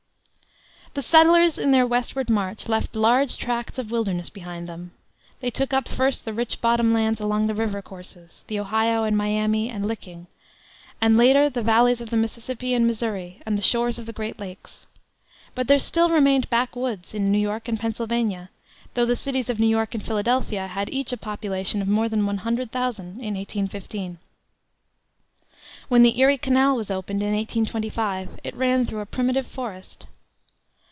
The settlers, in their westward march, left large tracts of wilderness behind them. They took up first the rich bottom lands along the river courses, the Ohio and Miami and Licking, and later the valleys of the Mississippi and Missouri, and the shores of the great lakes. But there still remained back woods in New York and Pennsylvania, though the cities of New York and Philadelphia had each a population of more than one hundred thousand in 1815. When the Erie Canal was opened, in 1825, it ran through a primitive forest.